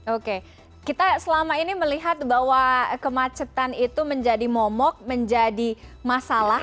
oke kita selama ini melihat bahwa kemacetan itu menjadi momok menjadi masalah